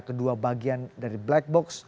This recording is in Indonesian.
kedua bagian dari black box